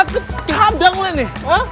ke hadang lu ini